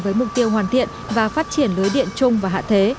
với mục tiêu hoàn thiện và phát triển lưới điện chung và hạ thế